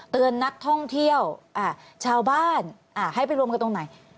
นักท่องเที่ยวชาวบ้านให้ไปรวมกันตรงไหน